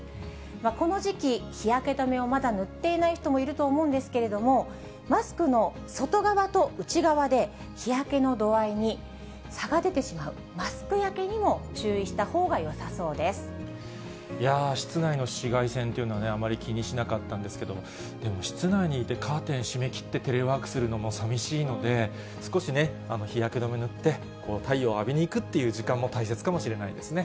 この時期、日焼け止めをまだ塗っていない人もいると思うんですけれども、マスクの外側と内側で、日焼けの度合いに差が出てしまうマスク焼けにも注意したほうがよ室内の紫外線というのは、あまり気にしなかったんですけれども、でも室内にいてカーテン閉め切って、テレワークするのもさみしいので、少しね、日焼け止め塗って、太陽を浴びにいくっていう時間も大切かもしれないですね。